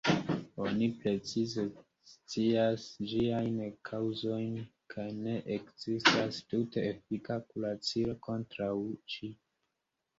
Oni ne precize scias ĝiajn kaŭzojn, kaj ne ekzistas tute efika kuracilo kontraŭ ĝi.